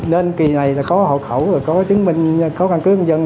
nên kỳ này có hậu khẩu có chứng minh có căn cứ công dân